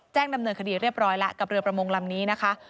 ดำเนินคดีเรียบร้อยแล้วกับเรือประมงลำนี้นะคะ